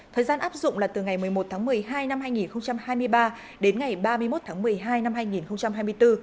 thời gian áp dụng là từ ngày một mươi một tháng một mươi hai năm hai nghìn hai mươi ba đến ngày ba mươi một tháng một mươi hai năm hai nghìn hai mươi bốn